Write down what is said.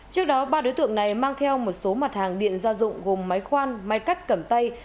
trước đó ba đối tượng này mang theo một số mặt hàng điện gia dụng gồm máy khoan máy cắt cẩm tay